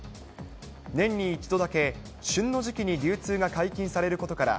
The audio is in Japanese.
年に１度だけ、旬の時期に流通が解禁されることから、